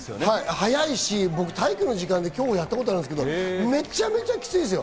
速いし、僕体育の時間で競歩やったことあるんですけど、めちゃめちゃきついっすよ。